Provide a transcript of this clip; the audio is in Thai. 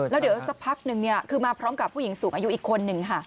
แล้วเดี๋ยวสักพักหนึ่งคือมาพร้อมกับผู้หญิงสูงอายุอีกคนนึงค่ะ